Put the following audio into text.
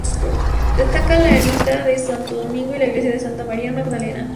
Destacan la ermita de Santo Domingo y la iglesia de Santa María Magdalena.